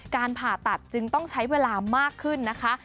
การผ่าตัดจึงต้องใช้เวลามากขึ้นนะคะ